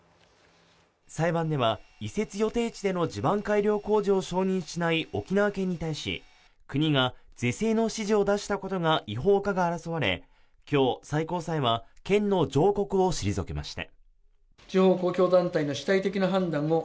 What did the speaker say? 裁判では移設予定地での地盤改良工事を承認しない沖縄県に対し国が是正の指示を出したことが違法かが争われ今日、最高裁は県の上告を退けました。